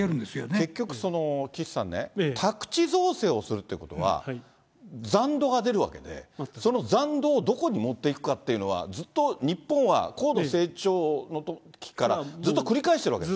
結局、岸さんね、宅地造成をするということは、残土が出るわけで、その残土をどこに持っていくかっていうのは、ずっと日本は高度成長のときから、ずっと繰り返してるわけです。